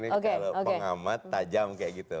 kalau pengamat tajam kayak gitu